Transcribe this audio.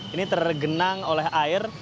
ini tergenang oleh air